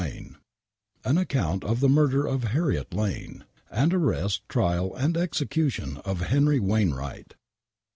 % I AN ACCOUNT OF THE Murder of Harriet Lane AND ARREST, TRIAL AND EXECUTION OF HENRY WAINWRIGHT.